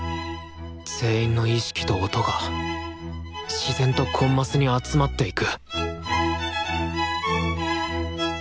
全員の意識と音が自然とコンマスに集まっていく